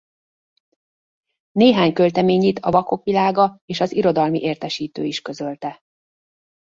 Néhány költeményét a Vakok Világa és az Irodalmi Értesítő is közölte.